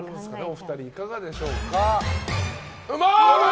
お二人いかがでしょうか？